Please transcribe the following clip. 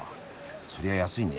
そりゃ安いね。